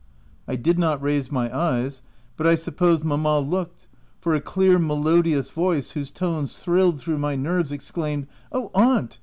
I did not raise my eyes, but I suppose mamma OF WILDFELL HALL. 313 looked, for a clear, melodious voice, whose tones thrilled through my nerves, exclaimed —" Oh, aunt